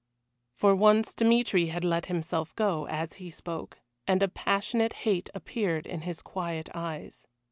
For once Dmitry had let himself go, as he spoke, and a passionate hate appeared in his quiet eyes.